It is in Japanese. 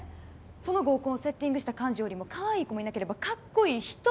その合コンをセッティングした幹事よりもかわいい子もいなければかっこいい人もいない。